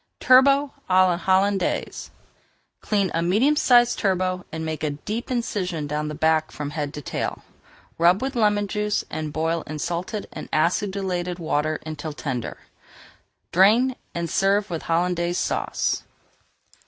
TURBOT À LA HOLLANDAISE Clean a medium sized turbot and make a deep incision down the back from head to tail. Rub with lemon juice and boil in salted and acidulated water until tender. Drain and serve with Hollandaise Sauce.